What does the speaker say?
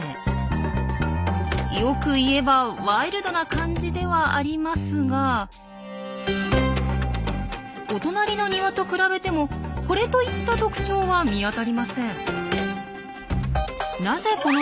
良く言えばワイルドな感じではありますがお隣の庭と比べてもこれといった特徴は見当たりません。